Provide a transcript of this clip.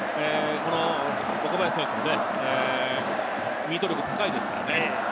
岡林選手もミート力が高いですからね。